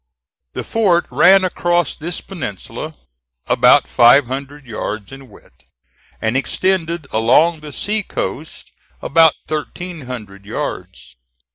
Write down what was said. The fort ran across this peninsula, about five hundred yards in width, and extended along the sea coast about thirteen hundred yards.